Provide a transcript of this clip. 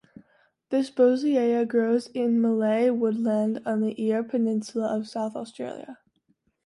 This bossiaea grows in mallee woodland on the Eyre Peninsula in South Australia.